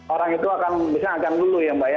orang itu akan misalnya akan dulu ya mbak ya